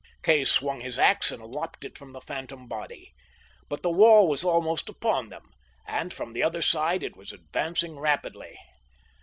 Kay swung his ax and lopped it from the phantom body. But the wall was almost upon them, and from the other side it was advancing rapidly.